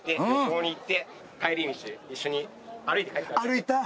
歩いた！